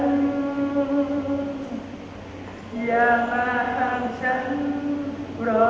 ขอบคุณทุกคนมากครับที่รักโจมตีที่ทุกคนรัก